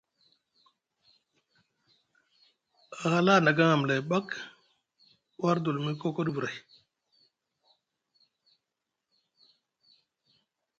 A hala a nagaŋ amlay ɓak war dulumi kokoɗi vray.